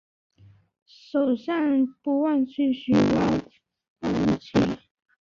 手上不忘继续挖番薯